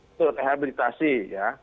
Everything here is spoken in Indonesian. untuk rehabilitasi ya